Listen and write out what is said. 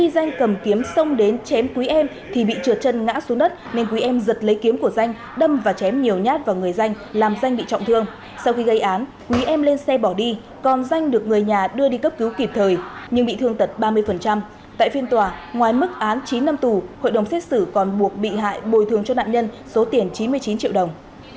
danh cầm kiếm xông đến chém quý em thì bị trượt chân ngã xuống đất nên quý em giật lấy kiếm của danh đâm và chém nhiều nhát vào người danh làm danh bị trọng thương sau khi gây án quý em lên xe bỏ đi còn danh được người nhà đưa đi cấp cứu kịp thời nhưng bị thương tật ba mươi tại phiên tòa ngoài mức án chín năm tù hội đồng xét xử còn buộc bị hại bồi thường cho nạn nhân số tiền chín mươi chín triệu đồng